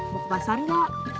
mau ke pasar gak